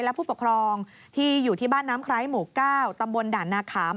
และผู้ปกครองที่อยู่ที่บ้านน้ำไคร้หมู่๙ตำบลด่านนาขาม